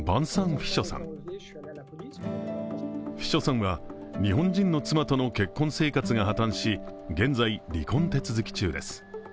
フィショさんは日本人の妻との結婚生活が破綻し、現在、離婚手続き中です。